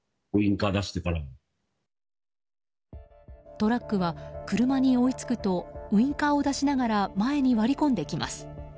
トラックは車に追いつくとウィンカーを出しながら前に割り込んできます。